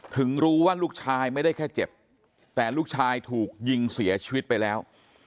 ถึงรู้ว่าลูกชายไม่ได้แค่เจ็บแต่ลูกชายถูกยิงเสียชีวิตไปแล้ว